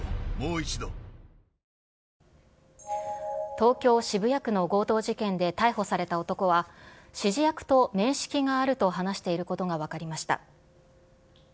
東京・渋谷区の強盗事件で逮捕された男は、指示役と面識があると話していることが分かりました。